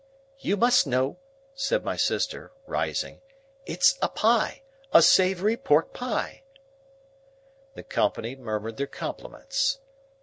"You must know," said my sister, rising, "it's a pie; a savory pork pie." The company murmured their compliments.